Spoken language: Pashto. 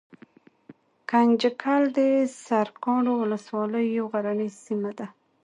ګنجګل دسرکاڼو ولسوالۍ يو غرنۍ سيمه ده